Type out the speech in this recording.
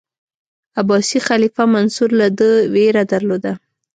عباسي خلیفه منصور له ده ویره درلوده.